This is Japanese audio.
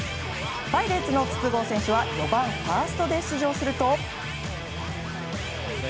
パイレーツの筒香選手は４番、ファーストで出場すると。